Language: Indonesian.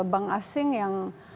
bank asing yang